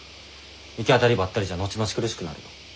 行き当たりばったりじゃ後々苦しくなるよ。